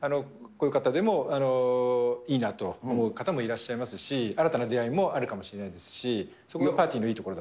こういう方でも、いいなと思う方もいらっしゃいますし、新たな出会いもあるかもしれないですし、そこがパーティーのいいところだ